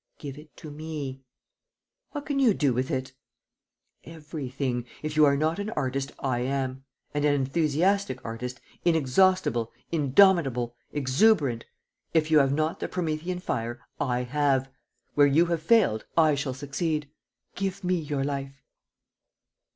"Give it to me." "What can you do with it?" "Everything. If you are not an artist, I am; and an enthusiastic artist, inexhaustible, indomitable, exuberant. If you have not the Promethean fire, I have! Where you failed, I shall succeed. Give me your life."